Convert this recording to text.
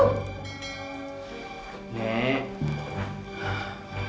sampai kakak pun nenek gak akan setuju